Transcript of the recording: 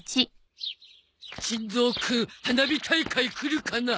珍蔵くん花火大会来るかな？